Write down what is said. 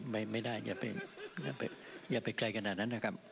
ไม่ได้อย่าไปไกลขนาดนั้นนะครับ